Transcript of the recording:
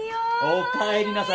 おかえりなさい。